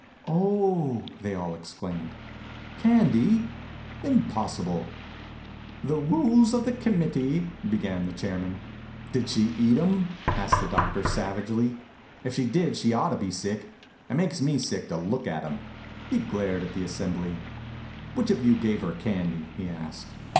"Oh!" they all exclaimed. " Candy I Impossible !" "The rules of the committee —" began the chairman. "Did she eat 'em?" asked the doctor savagely. "If she did she ought to be sick. It makes me sick to look at 'em." He glared at the assembly. "Which of you gave her candy?" he asked.